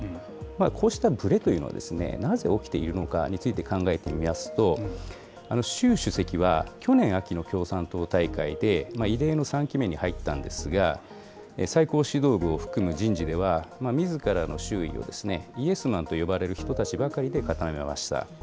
こうしたぶれというのは、なぜ起きているのかについて考えてみますと、習主席は去年秋の共産党大会で、異例の３期目に入ったんですが、最高指導部を含む人事では、みずからの周囲をイエスマンと呼ばれる人たちばかりで固めました。